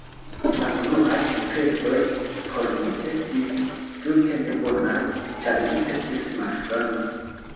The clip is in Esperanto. La unuaj impresoj por mi estis tute ne bonaj, ĉar mi estis malsana.